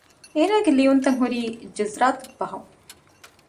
އޭނާގެ ލިޔުންތައް ހުރީ ގުޖުރާތު ބަހުން